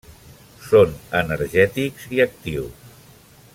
Són energètics i actius.